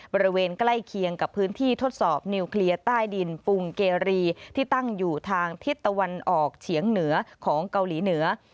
บริเวณใกล้เคียงกับพื้นที่ทดสอบนิวเคลียร์ใต้ดินปรุงเกรีที่ตั้งอยู่ทางทิศตะวันออกเฉียงเหนือของเกาหลีเหนือ